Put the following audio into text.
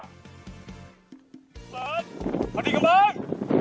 ระเบิดข้าวดีกำลัง